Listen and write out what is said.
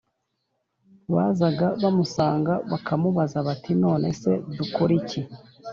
. Bazaga bamusanga bakamubaza bati: ‘‘ None se dukore iki ?’’